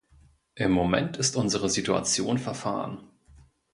Im Moment ist unsere Situation verfahren.